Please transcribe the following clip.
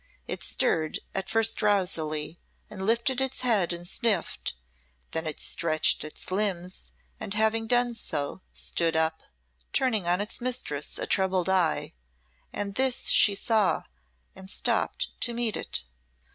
It stirred, at first drowsily, and lifted its head and sniffed; then it stretched its limbs, and having done so, stood up, turning on its mistress a troubled eye, and this she saw and stopped to meet it.